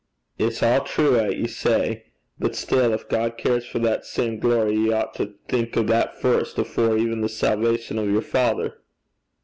'It's a' true 'at ye say. But still gin God cares for that same glory, ye oucht to think o' that first, afore even the salvation o' yer father.'